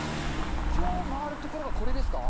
今日回る所がこれですか？